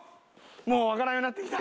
もうわからんようになってきた。